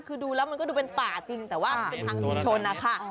คือดูแล้วมันก็ดูเป็นป่าจริงแต่ว่ามันเป็นทางชุมชนนะคะ